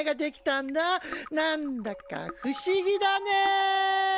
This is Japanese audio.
なんだか不思議だね！